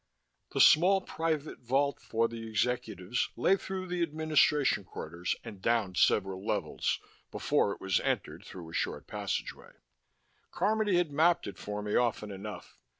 The small private vault for the executives lay through the administration quarters and down several levels, before it was entered through a short passageway. Carmody had mapped it for me often enough.